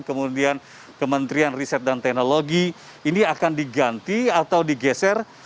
kemudian kementerian riset dan teknologi ini akan diganti atau digeser